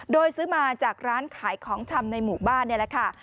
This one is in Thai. โดยซื้อมาจากร้านขายของชำในหมู่บ้านนี่แหละค่ะ